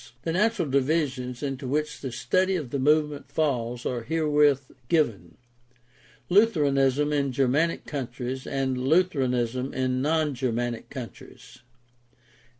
The natural divisions into which the study of the movement falls are herewith given: Lutheranism in Germanic countries and Lutheranism in non Germanic countries.